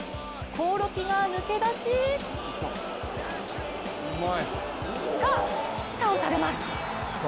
興梠が抜け出しが、倒されます。